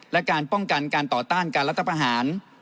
และการป้องกันการต่อต้านการรัฐประหาร